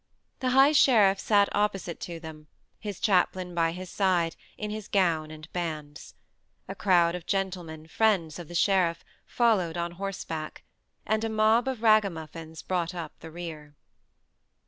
The high sheriff sat opposite to them, his chaplain by his side, in his gown and bands. A crowd of gentlemen, friends of the sheriff, followed on horseback; and a mob of ragamuffins brought up the rear.